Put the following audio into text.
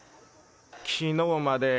昨日まで。